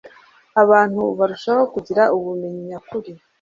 abantu barushaho kugira ubumenyi nyakuri